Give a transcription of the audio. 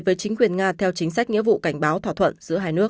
với chính quyền nga theo chính sách nghĩa vụ cảnh báo thỏa thuận giữa hai nước